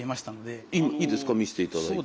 いいですか見せていただいて。